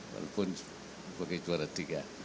walaupun sebagai juara tiga